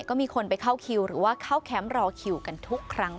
ก็มีคนไปเข้าคิวหรือว่าเข้าแคมป์รอคิวกันทุกครั้ง